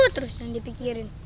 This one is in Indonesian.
terus jangan dipikirin